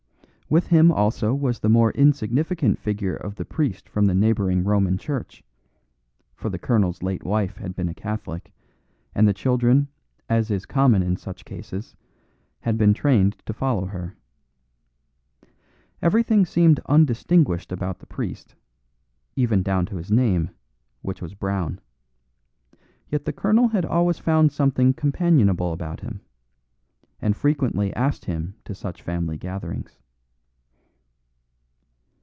With him also was the more insignificant figure of the priest from the neighbouring Roman Church; for the colonel's late wife had been a Catholic, and the children, as is common in such cases, had been trained to follow her. Everything seemed undistinguished about the priest, even down to his name, which was Brown; yet the colonel had always found something companionable about him, and frequently asked him to such family gatherings.